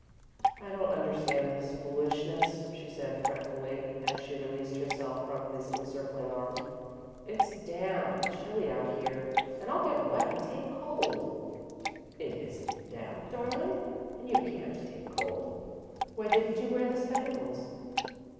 "I don't understand this foolishness," she said, fretfully, as she released herself from his encircling arm. "It's damp and chilly out here, and I'll get wet and take cold." "It isn't damp, darling, and you can't take cold. Why didn't you wear the spangles?"